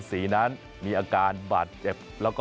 สีนั้นมีอาการบาดเจ็บแล้วก็